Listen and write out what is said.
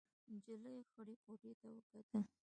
نجلۍ خړې کوټې ته وکتل.